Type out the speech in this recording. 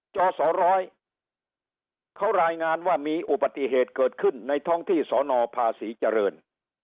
จอสร้อยเขารายงานว่ามีอุบัติเหตุเกิดขึ้นในท้องที่สนภาษีเจริญ